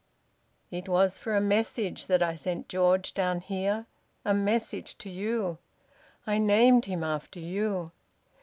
... It was for a message that I sent George down here a message to you! I named him after you...